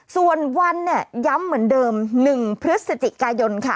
ส่วนวันเนี่ยย้ำเหมือนเดิม๑พฤศจิกายนค่ะ